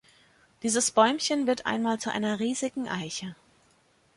Dieses Bäumchen wird einmal zu einer riesigen Eiche.